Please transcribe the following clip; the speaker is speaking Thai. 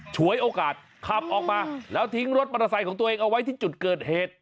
ฉวยโอกาสขับออกมาแล้วทิ้งรถมอเตอร์ไซค์ของตัวเองเอาไว้ที่จุดเกิดเหตุ